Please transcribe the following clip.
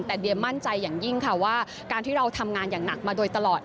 แต่เดียมั่นใจอย่างยิ่งค่ะว่าการที่เราทำงานอย่างหนักมาโดยตลอด